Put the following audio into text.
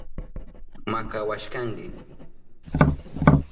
Makawashkanki.